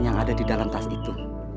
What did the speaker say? yang ada di dalam tas itu